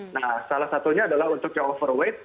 nah salah satunya adalah untuk yang overweight